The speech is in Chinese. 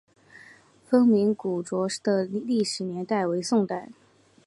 凤鸣古冢的历史年代为宋代。